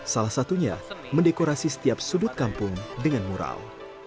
salah satunya mendekorasi setiap sudut kampung dengan mural